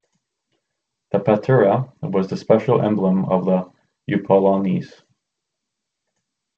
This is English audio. The "patera" was the special emblem of the "epulones".